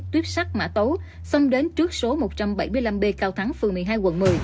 tuyếp sắt mã tấu xâm đến trước số một trăm bảy mươi năm b cao thắng phường một mươi hai quận một mươi